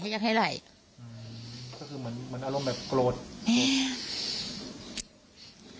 คือมันคือมันอารมณ์แบบโกรธ